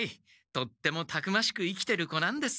とってもたくましく生きてる子なんです。